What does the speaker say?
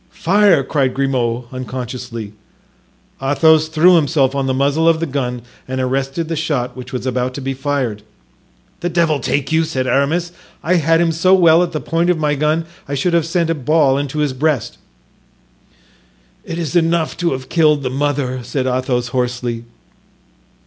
"Fire!" cried Grimaud, unconsciously. Athos threw himself on the muzzle of the gun and arrested the shot which was about to be fired. "The devil take you," said Aramis. "I had him so well at the point of my gun I should have sent a ball into his breast." "It is enough to have killed the mother," said Athos, hoarsely.